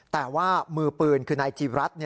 แต่ว่ามือปืนในจิรัส